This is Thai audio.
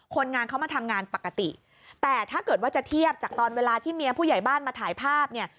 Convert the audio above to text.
คนงานเขามาทำงานปกติแต่ถ้าเกิดว่าจะเทียบจากตอนเวลาที่เมียผู้ใหญ่บ้านมาถ่ายภาพเนี่ย